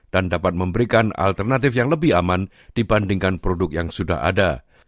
dan dapat memberikan alternatif yang lebih aman dibandingkan produk yang sudah ada